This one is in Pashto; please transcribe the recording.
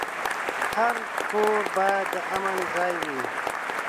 هر کور باید د امن ځای وي.